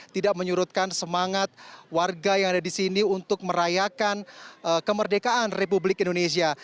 tidak menyurutkan semangat warga yang ada di sini untuk merayakan kemerdekaan republik indonesia